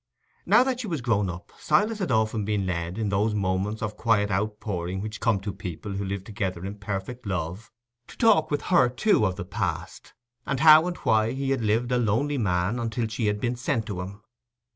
Now that she was grown up, Silas had often been led, in those moments of quiet outpouring which come to people who live together in perfect love, to talk with her too of the past, and how and why he had lived a lonely man until she had been sent to him.